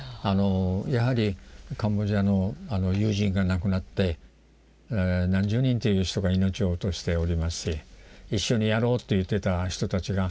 やはりカンボジアの友人が亡くなって何十人という人が命を落としておりますし一緒にやろうと言ってた人たちが。